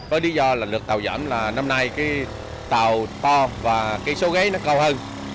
có lý do là lực tàu giảm là năm nay tàu to và số ghế nó cao hơn